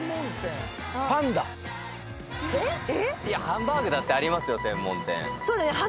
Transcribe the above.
ハンバーグだってありますよ専門店。